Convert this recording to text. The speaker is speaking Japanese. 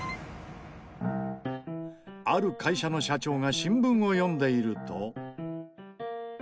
ある会社の社長が新聞を読んでいると。